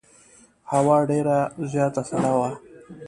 هوا ډېره زیاته سړه وه.